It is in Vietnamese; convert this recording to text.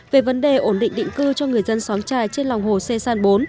về vấn đề ổn định định cư cho người dân xóm trài trên lòng hồ sê san bốn